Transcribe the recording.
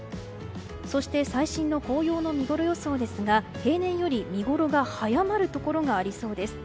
そして最新の紅葉の見ごろ予想ですが平年より見ごろが早まるところがありそうです。